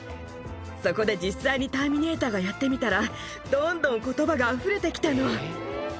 そこで実際にターミネーターがやってみたら、どんどんことばがあふれてきたの。